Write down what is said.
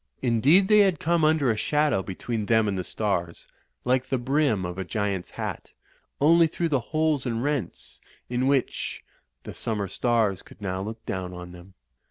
Indeed they had come under a shadow between them and the stars, like the brim of a giant's hat; only through the holes and rents in which the summer stars could now look down on them.